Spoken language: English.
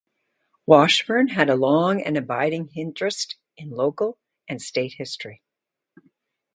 Washburn had a long and abiding interest in local and state history.